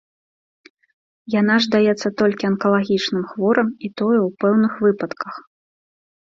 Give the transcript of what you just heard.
Яна ж даецца толькі анкалагічным хворым, і тое, у пэўных выпадках.